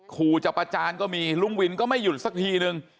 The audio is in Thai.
ขู่จะประจานก็มีลุงวินก็ไม่หยุดสักทีนึง